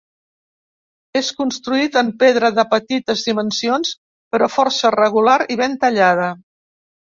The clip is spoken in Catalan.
És construït en pedra de petites dimensions però força regular i ben tallada.